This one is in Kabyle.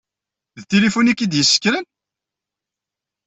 D tilifun i k-d-yessekren?